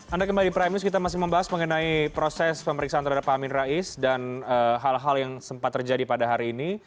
anda kembali di prime news kita masih membahas mengenai proses pemeriksaan terhadap pak amin rais dan hal hal yang sempat terjadi pada hari ini